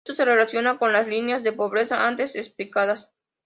Esto se relaciona con las líneas de pobreza antes explicadas.